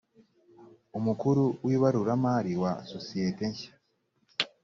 umukuru w’ibaruramari wa sosiyete nshya